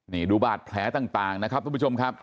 นี่ดูบาดแผลต่างนะครับทุกผู้ชมครับ